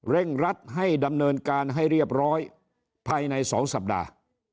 รัดให้ดำเนินการให้เรียบร้อยภายใน๒สัปดาห์